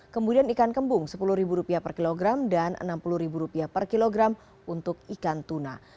kemudian ikan kembung rp sepuluh per kilogram dan rp enam puluh per kilogram untuk ikan tuna